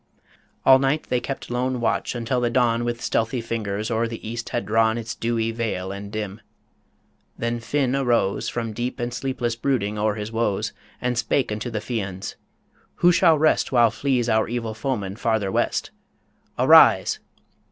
All night they kept lone watch, until the dawn With stealthy fingers o'er the east had drawn Its dewy veil and dim. Then Finn arose From deep and sleepless brooding o'er his woes, And spake unto the Fians, "Who shall rest While flees our evil foeman farther west? Arise!"